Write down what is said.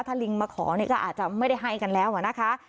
ถ้าลิงมาขอเนี่ยก็อาจจะไม่ได้ให้กันแล้วนะคะ